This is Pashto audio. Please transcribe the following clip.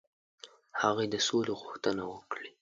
هغوی د سولي غوښتنه وکړي.